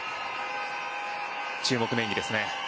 注目の演技ですね。